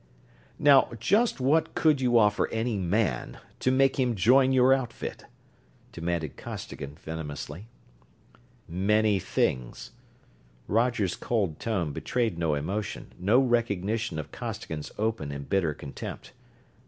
"Now just what could you offer any man to make him join your outfit?" demanded Costigan, venomously. "Many things." Roger's cold tone betrayed no emotion, no recognition of Costigan's open and bitter contempt.